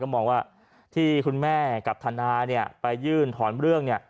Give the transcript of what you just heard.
ก็มองว่าที่คุณแม่กับธนาไปยื่นถอนเรื่อง